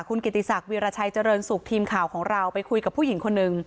คุณกิติศักดิราชัยเจริญสุขทีมข่าวของเราไปคุยกับผู้หญิงคนหนึ่ง